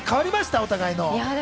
お互いの。